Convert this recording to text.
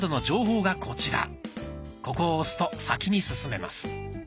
ここを押すと先に進めます。